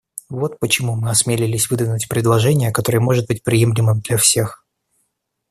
Вот почему мы осмелились выдвинуть предложение, которое может быть приемлемым для всех.